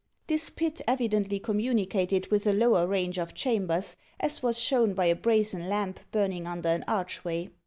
This pit evidently communicated with a lower range of chambers, as was shown by a brazen lamp burning under an archway.